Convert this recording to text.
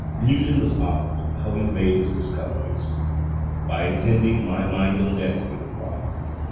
Newton was asked how he made his discoveries. By intending my mind on them, he replied.